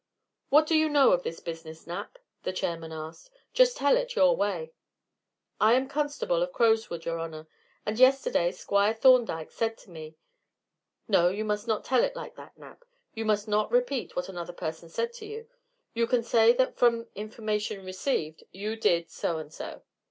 "What do you know of this business, Knapp?" the chairman asked. "Just tell it your own way." "I am constable of Crowswood, your honor, and yesterday Squire Thorndyke said to me " "No, you must not tell it like that, Knapp; you must not repeat what another person said to you. You can say that from information received you did so and so."